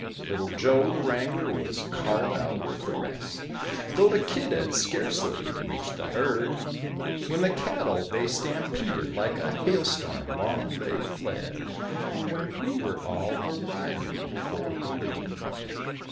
Little Joe, the wrangler, was called out with the rest; Though the kid had scarcely reached the herd, When the cattle they stampeded, like a hailstorm long they fled, Then we were all a ridin' for the lead.